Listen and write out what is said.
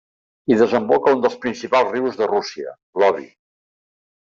Hi desemboca un dels principals rius de Rússia, l'Obi.